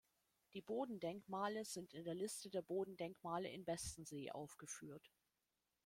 Die Bodendenkmale sind in der Liste der Bodendenkmale in Bestensee aufgeführt.